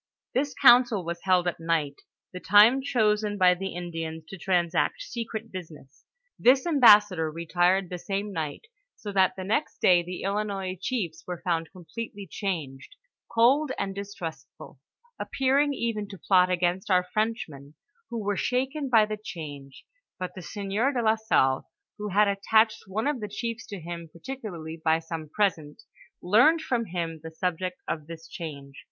This council was held at night, the time chosen by the In dians to transact secret business. This embassador retired the same night, so that the next day the Ilinois chiefs were found completely changed, cold and distrustful, appearing even to plot against our Frenchmen, who were shaken by the change, but the sieur de la Salle, who had attached one of the chiefs m I ■*? *^%K ■fl^'M 'i^ 96 NABBATIVE OF FATHKB MEMBRG. ,i, ■'ii ■.■ t to him particularly by some present, learned from him the Bubject of this change.